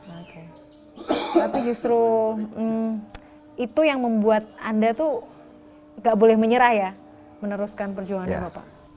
tapi justru itu yang membuat anda tuh gak boleh menyerah ya meneruskan perjuangan bapak